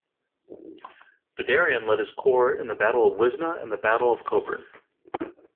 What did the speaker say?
Guderian led his corps in the Battle of Wizna and the Battle of Kobryn.